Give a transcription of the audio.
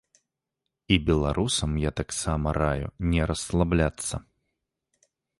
І беларусам я таксама раю не расслабляцца.